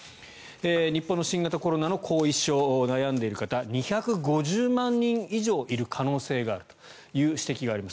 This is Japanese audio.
日本の新型コロナの後遺症に悩んでいる方２５０万人以上いる可能性があるという指摘があります。